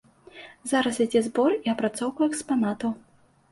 Зараз ідзе збор і апрацоўка экспанатаў.